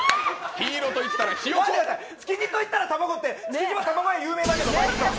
待ってください、築地と言ったら卵って築地で卵は有名だけど！